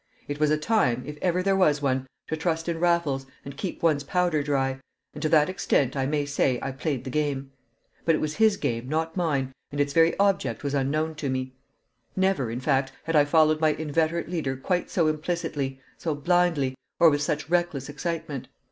It was a time, if ever there was one, to trust in Raffles and keep one's powder dry; and to that extent I may say I played the game. But it was his game, not mine, and its very object was unknown to me. Never, in fact, had I followed my inveterate leader quite so implicitly, so blindly, or with such reckless excitement.